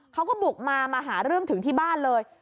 เขาก็บุกมามาหาเรื่องถึงที่บ้านเลย